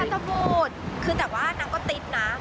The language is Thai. อภิชาตะบุดคือแต่ว่านางก็ติ๊บนะ